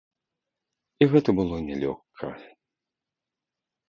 І гэта было нялёгка.